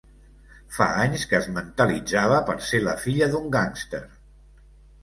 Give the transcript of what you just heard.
Fa anys que es mentalitzava per ser la filla d'un gàngster.